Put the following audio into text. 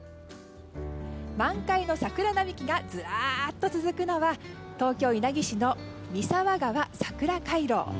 満開の桜並木がずらっと続くのは東京・稲城市の三沢川さくら回廊。